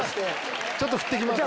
ちょっとふって来ます。